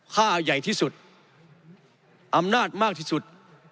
ค่าใหญ่ที่สุดอำนาจมากที่สุด